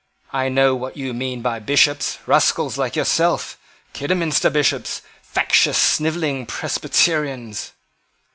I know what you mean by Bishops, rascals like yourself, Kidderminster Bishops, factious snivelling Presbyterians!"